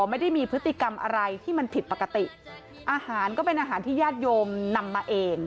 ไม่ได้มีพฤติกรรมอะไรที่มันผิดปกติอาหารก็เป็นอาหารที่ญาติโยมนำมาเอง